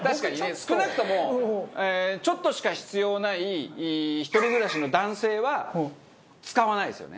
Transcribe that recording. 少なくともちょっとしか必要ない１人暮らしの男性は使わないですよね。